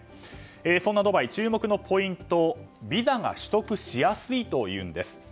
そんなドバイ、注目のポイントはビザが取得しやすいというんです。